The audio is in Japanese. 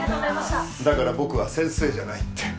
だから僕は先生じゃないって。